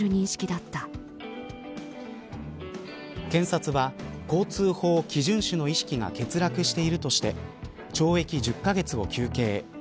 検察は、交通法規順守の意識が欠落しているとして懲役１０カ月を求刑。